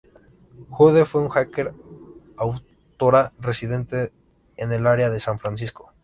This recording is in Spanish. Jude, fue una hacker y autora residente en el área de San Francisco.